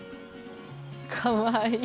かわいい。